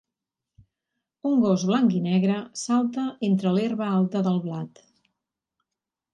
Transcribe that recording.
Un gos blanc i negre salta entre l'herba alta del blat.